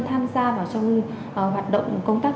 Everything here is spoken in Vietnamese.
tham gia vào trong hoạt động công tác